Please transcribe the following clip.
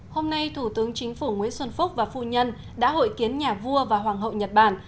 hôm nay thủ tướng chính phủ nguyễn xuân phúc và phu nhân đã hội kiến nhà vua và hoàng hậu nhật bản